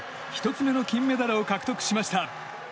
１つ目の金メダルを獲得しました。